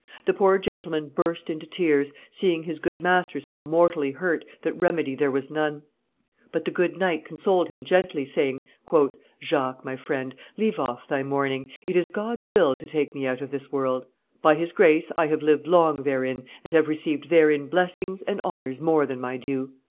The poor gentleman burst into tears, seeing his good master so mortally hurt that remedy there was none; but the good knight consoled him gently, saying, "Jacques, my friend, leave off thy mourning; it is God's will to take me out of this world; by His grace I have lived long therein, and have received therein blessings and honors more than my due.